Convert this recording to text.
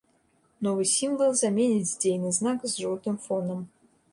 Новы сімвал заменіць дзейны знак з жоўтым фонам.